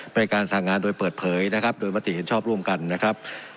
เป็นการสั่งงานโดยเปิดเผยนะครับโดยมติเห็นชอบร่วมกันนะครับ